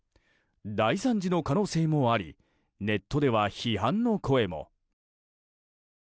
大惨事の可能性もありネットでは批判の声も。